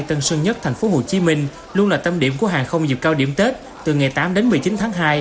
tân sơn nhất thành phố hồ chí minh luôn là tâm điểm của hàng không dịp cao điểm tết từ ngày tám đến một mươi chín tháng hai